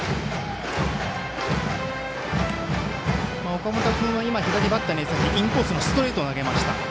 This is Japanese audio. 岡本君は今、左バッターにインコースのストレートを投げました。